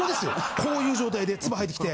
こういう状態でツバ吐いてきて。